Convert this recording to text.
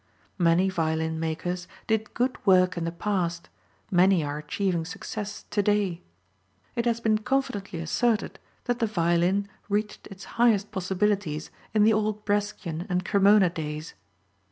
Many violin makers did good work in the past, many are achieving success to day. It has been confidently asserted that the violin reached its highest possibilities in the old Brescian and Cremona days.